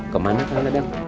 kemana kak dadang